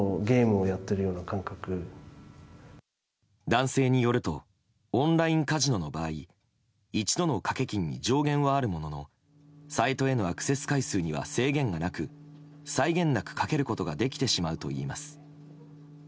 男性によるとオンラインカジノの場合一度の賭け金の上限はあるもののサイトへのアクセス回数には制限がなく際限なくかけることができてしまうといいます。